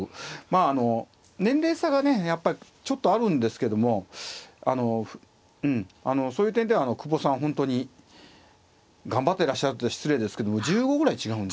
まああの年齢差がねやっぱりちょっとあるんですけどもあのそういう点では久保さん本当に頑張ってらっしゃるって失礼ですけども１５ぐらい違うんですよね。